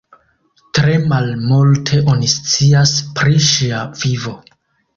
Tre malmulte oni scias pri ŝia vivo.